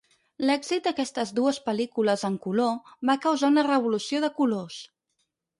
L'èxit d'aquestes dues pel·lícules en color va causar una revolució de colors.